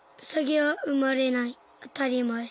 あたりまえ。